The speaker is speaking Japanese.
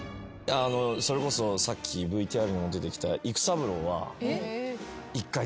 それこそさっきＶＴＲにも出てきた育三郎は。え！